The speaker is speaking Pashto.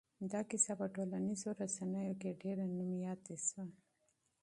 دا کيسه په ټولنيزو رسنيو کې ډېره مشهوره شوه.